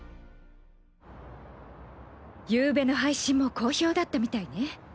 ゆうべの配信も好評だったみたいね。